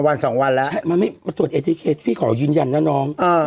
วันสองวันแล้วใช่มันไม่ตรวจพี่ขอยืนยันน่ะน้องอ่า